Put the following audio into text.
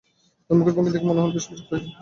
তাঁর মুখের ভঙ্গি দেখে মনে হল বেশ বিরক্ত হয়েছেন।